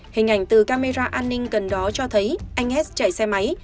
hình ảnh từ camera an ninh gần đó cho thấy anh hs chạy xe máy